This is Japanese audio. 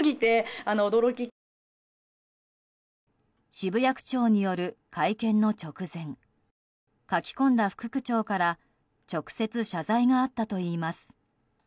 渋谷区長による会見の直前書き込んだ副区長から直接謝罪があったといいます。